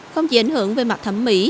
không chỉ ảnh hưởng về mặt thẩm mỹ